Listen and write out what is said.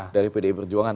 dari pdi perjuangan